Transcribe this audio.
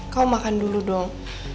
kamu makan dulu dong